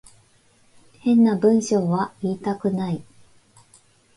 変な文章は言いたくない